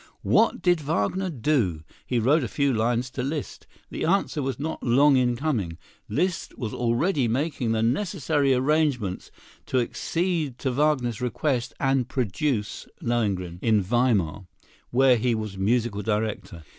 What did Wagner do? He wrote a few lines to Liszt. The answer was not long in coming. Liszt was already making the necessary arrangements to accede to Wagner's request and produce "Lohengrin" in Weimar, where he was musical director.